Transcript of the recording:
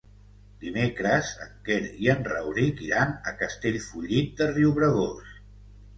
Dimecres en Quer i en Rauric iran a Castellfollit de Riubregós.